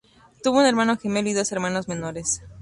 Tuvo un hermano gemelo y dos hermanos menores.